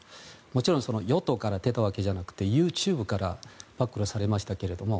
もちろん与党から出たわけじゃなくてＹｏｕＴｕｂｅから暴露されましたけれども。